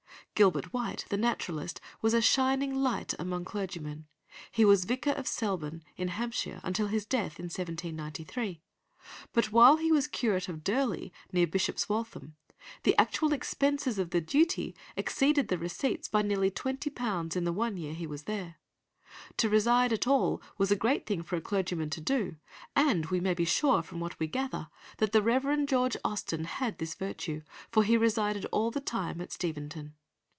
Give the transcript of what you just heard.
Gilbert White, the naturalist, was a shining light among clergymen; he was vicar of Selborne, in Hampshire, until his death in 1793; but while he was curate of Durley, near Bishop's Waltham, the actual expenses of the duty exceeded the receipts by nearly twenty pounds in the one year he was there. To reside at all was a great thing for a clergyman to do, and we may be sure, from what we gather, that the Rev. George Austen had this virtue, for he resided all the time at Steventon.